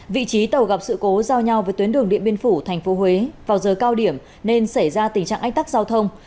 vị trí tàu gặp sự cố giao nhau với tuyến đường điện biên phủ tp huế vào giờ cao điểm nên xảy ra tình trạng ách tắc giao thông